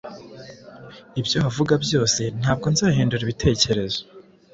Ibyo wavuga byose, ntabwo nzahindura ibitekerezo.